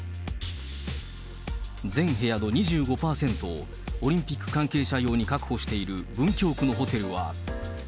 全部屋の２５％をオリンピック関係者用に確保している文京区のホテルは。